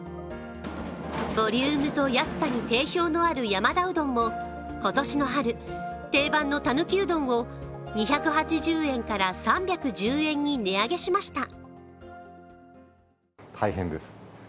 ボリュームと安さに定評のある山田うどんも今年の春、定番のたぬきうどんを２８０円から３１０円に値上げしました。